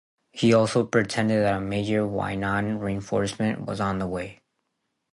He also pretended that a major Huainan reinforcement was on the way.